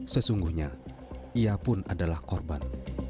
sesungguhnya ia pun adalah korban